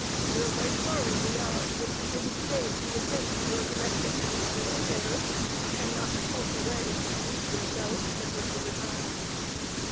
We're right sorry, we are, that you didn't stay to attend to your domestic and other affairs, and not skulk away and lose yourself, never to return.